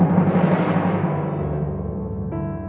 aduh kebentur lagi